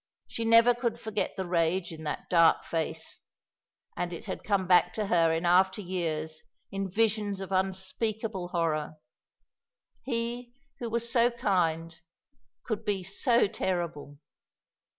She never could forget the rage in that dark face, and it had come back to her in after years in visions of unspeakable horror. He who was so kind could be so terrible.